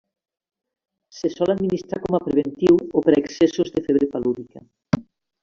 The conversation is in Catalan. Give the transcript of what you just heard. Se sol administrar com a preventiu o per a excessos de febre palúdica.